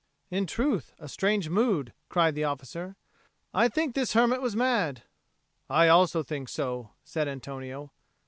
"In truth, a strange mood!" cried the officer. "I think this hermit was mad." "I also think so," said Antonio.